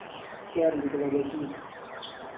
یارم گوڵه گهزیزه